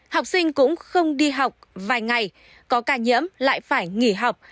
học sinh cũng không đi học vài ngày có ca nhiễm lại phải nghỉ học